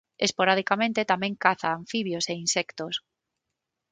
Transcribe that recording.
Esporadicamente tamén caza anfibios e insectos.